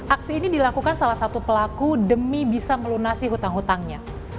aksi ini dilakukan salah satu pelaku demi bisa melunasi hutang hutangnya